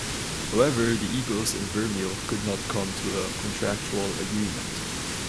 However, the Eagles and Vermeil could not come to a contractual agreement.